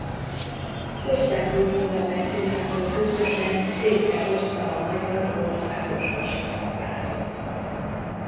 Ostenburg-Moravek Gyulával közösen létrehozta a Magyar Országos Fasiszta Pártot.